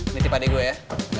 ini tipa dia gue ya